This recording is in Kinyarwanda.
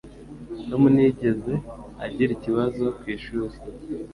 Tom ntiyigeze agira ikibazo ku ishuri.